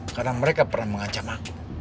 karena mereka pernah mengancam aku